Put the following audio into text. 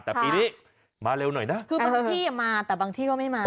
แต่ปีนี้มาเร็วหน่อยนะคือบางที่มาแต่บางที่ก็ไม่มา